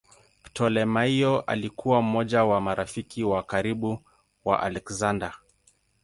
Ptolemaio alikuwa mmoja wa marafiki wa karibu wa Aleksander.